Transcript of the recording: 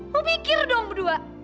lo pikir dong berdua